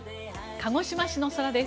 鹿児島市の空です。